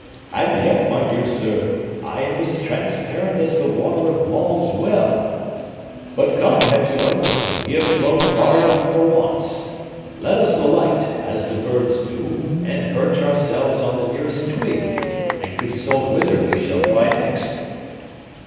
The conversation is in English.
"And yet, my dear sir, I am as transparent as the water of Maule's well! But come, Hepzibah! We have flown far enough for once. Let us alight, as the birds do, and perch ourselves on the nearest twig, and consult wither we shall fly next!"